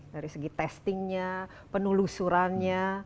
dari segi testingnya penelusurannya